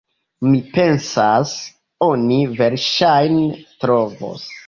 Mi pensas, oni verŝajne trovos.